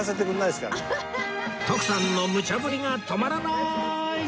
徳さんのむちゃぶりが止まらない！